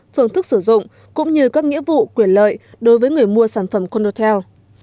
phương thức sử dụng cũng như các nghĩa vụ quyền lợi đối với người mua sản phẩm condotel